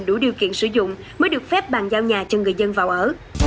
đủ điều kiện sử dụng mới được phép bàn giao nhà cho người dân vào ở